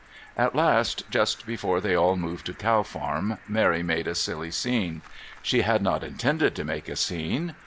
At last just before they all moved to Cow Farm Mary made a silly scene. She had not intended to make a scene.